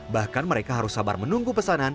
bahkan mereka harus sabar menunggu pesanan